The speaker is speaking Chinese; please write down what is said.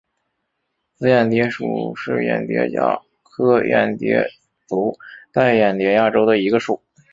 紫眼蝶属是眼蝶亚科眼蝶族黛眼蝶亚族中的一个属。